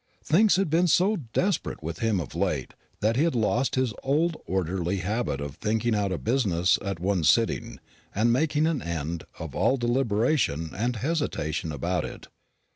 Things had been so desperate with him of late, that he had lost his old orderly habit of thinking out a business at one sitting, and making an end of all deliberation and hesitation about it.